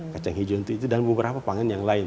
kacang hijau untuk itu dan beberapa pangan yang lain